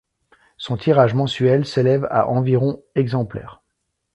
Son tirage mensuel s'élève à environ exemplaires.